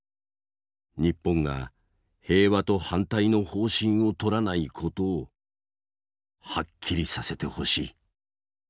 日本が平和と反対の方針をとらない事をはっきりさせてほしい。